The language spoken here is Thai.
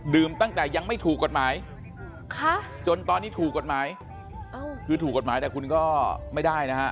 ตั้งแต่ยังไม่ถูกกฎหมายจนตอนนี้ถูกกฎหมายคือถูกกฎหมายแต่คุณก็ไม่ได้นะฮะ